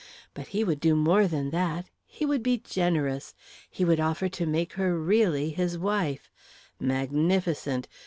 But he would do more than that; he would be generous; he would offer to make her really his wife. Magnificent!